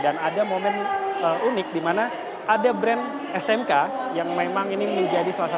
dan ada momen unik di mana ada brand smk yang memang ini menjadi salah satu brand otomotif asal indonesia yang cukup fenomenal dan juga kontroversial di indonesia